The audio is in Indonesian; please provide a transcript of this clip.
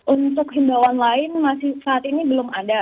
untuk himbauan lain saat ini belum ada